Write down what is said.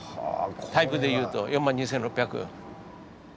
タイプでいうと４２６００。